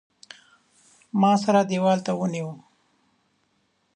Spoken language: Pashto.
ما سره دېوال ته ونیو.